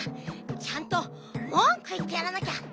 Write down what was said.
ちゃんともんくいってやらなきゃ！